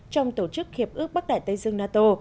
trong tổ chức hiệp ước bắc đại tây dương nato